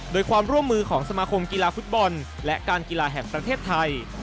โดยความร่วมมือของสมาคมกีฬาฟุตบอลและการกีฬาแห่งประเทศไทย